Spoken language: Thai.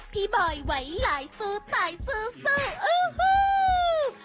พี่บอยไหวไหลซูตายซูซูอื้อฮู้